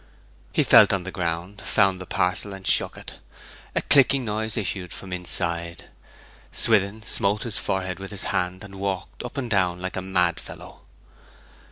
He felt on the ground, found the parcel, and shook it. A clicking noise issued from inside. Swithin smote his forehead with his hand, and walked up and down like a mad fellow.